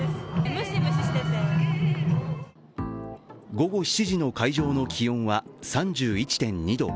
午後７時の会場の気温は３１．２度。